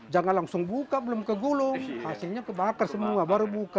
jangan langsung buka belum ke gulung hasilnya kebakar semua baru buka